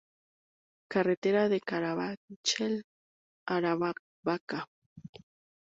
Carretera de Carabanchel a Aravaca.